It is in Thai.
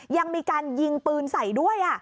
ยังมีการยิงปืนใส่ด้วย